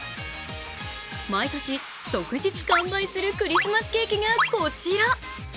毎年、即日完売するクリスマスケーキがこちら。